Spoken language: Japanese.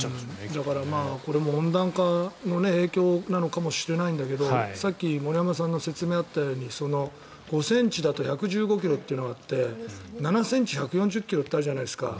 だからこれも温暖化の影響なのかもしれないんだけどさっき森山さんの説明にあったように５ｃｍだと１１５ｋｍだってあって７ｃｍ、１４０ｋｍってあるじゃないですか。